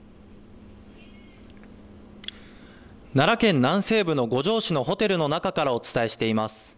奈良県南西部の五條市のホテルの中からお伝えしています。